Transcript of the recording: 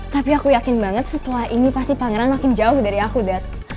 tapi aku yakin banget setelah ini pasti pangeran makin jauh dari aku datang